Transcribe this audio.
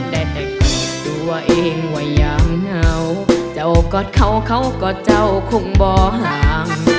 ได้แต่กอดตัวเองว่ายามเหงาเจ้ากอดเขาเขาก็เจ้าคงบ่อห่าง